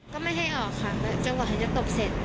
ก็ไม่ให้ออกค่ะจังหวะเขาจะตบเสร็จ